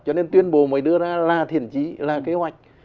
cho nên tuyên bố mới đưa ra là thiền chí là kế hoạch